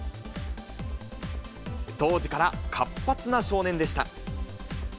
当時から活発な少年でした。